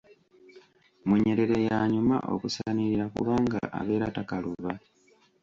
Munyerere y’anyuma okusanirira kubanga abeera takaluba.